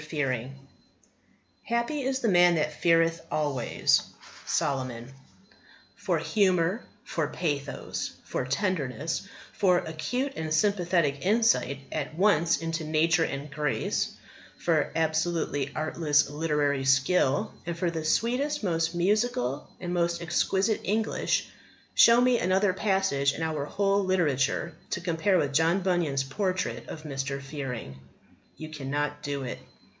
FEARING "Happy is the man that feareth alway." Solomon For humour, for pathos, for tenderness, for acute and sympathetic insight at once into nature and grace, for absolutely artless literary skill, and for the sweetest, most musical, and most exquisite English, show me another passage in our whole literature to compare with John Bunyan's portrait of Mr. Fearing. You cannot do it.